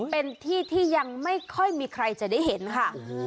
เป็นที่ที่ยังไม่ค่อยมีใครจะได้เห็นค่ะ